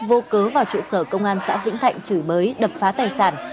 vô cớ vào trụ sở công an xã vĩnh thạnh chửi bới đập phá tài sản